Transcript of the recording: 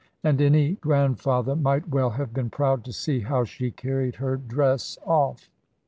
And any grandfather might well have been proud to see how she carried her dress off.